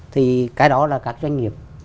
thì cái đó là các doanh nghiệp